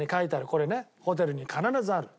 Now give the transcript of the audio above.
これねホテルに必ずある。